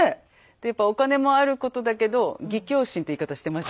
やっぱお金もあることだけど義きょう心って言い方してましたっけ。